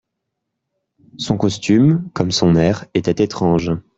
Son costume, comme son air, était étrange.